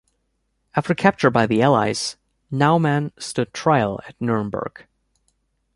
After capture by the Allies, Naumann stood trial at Nuremberg.